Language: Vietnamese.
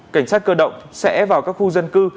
cảnh sát cơ động sẽ vào các khu dân cư